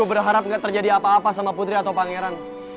aku berharap gak terjadi apa apa sama putri atau pangeran